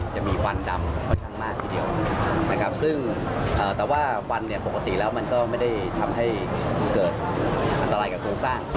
จะมีฟันดำกระทั่งมากทีเดียวแต่ว่าฟันปกติแล้วมันก็ไม่ได้ทำให้เกิดอันตรายกับภูมิสร้าง